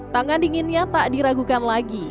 tangan dinginnya tak diragukan lagi